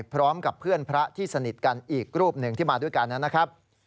พร้อมกับเพื่อนพระที่สนิทกันอีกรูปหนึ่งที่มาด้วยกันนะครับ